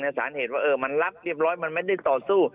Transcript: สารเหตุว่ามันรับเรียบร้อยมันไม่ได้ต่อสู้